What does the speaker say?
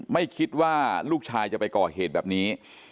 ไม่คิดว่าลูกชายจะไปก่อเหตุแบบนี้